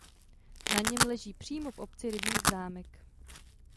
Na něm leží přímo v obci rybník Zámek.